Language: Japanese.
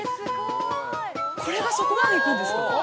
これがそこまで行くんですか。